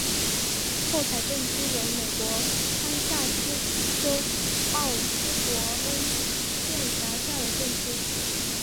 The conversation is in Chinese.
霍凯镇区为美国堪萨斯州奥斯伯恩县辖下的镇区。